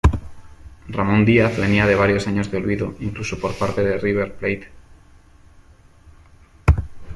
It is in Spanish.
Ramón Díaz venía de varios años de olvido, incluso por parte de River Plate.